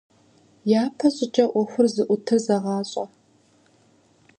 Япэщӏыкӏэ ӏуэхур зыӀутыр зэгъащӏэ.